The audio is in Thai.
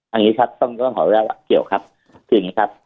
อันนี้ครับต้องต้องขออนุญาตว่าเกี่ยวครับคืออย่างนี้ครับ